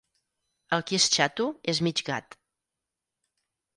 El qui és xato és mig gat.